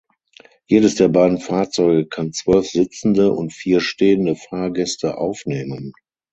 Jedes der beiden Fahrzeuge kann zwölf sitzende und vier stehende Fahrgäste aufnehmen.